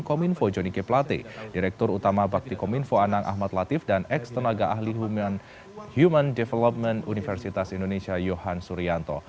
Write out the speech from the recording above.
kominfo joni keplate direktur utama bakti kominfo anang ahmad latif dan eksternaga ahli human development universitas indonesia yohan suryanto